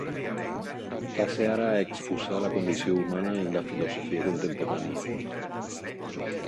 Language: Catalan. Passe ara a exposar la condició humana en la filosofia contemporània.